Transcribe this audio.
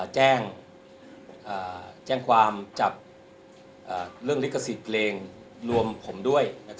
แจ้งความจับเรื่องลิขสิทธิ์เพลงรวมผมด้วย